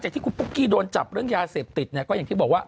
ที่คุณปุ๊กกี้โดนจับเรื่องยาเสพติดเนี่ยก็อย่างที่บอกว่า